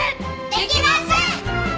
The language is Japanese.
できません！